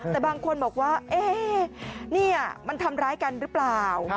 แต่บางคนบอกว่านี่มันทำร้ายกันหรือเปล่า